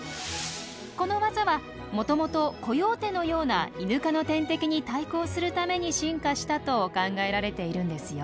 このワザはもともとコヨーテのようなイヌ科の天敵に対抗するために進化したと考えられているんですよ。